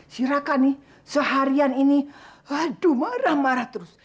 si raka nih seharian ini aduh marah marah terus